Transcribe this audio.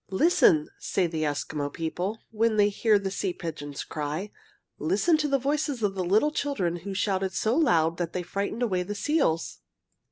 "Listen," say the Eskimo people, when they hear the sea pigeons cry, "Listen to the voices of the little children who shouted so loud that they frightened away the seals!"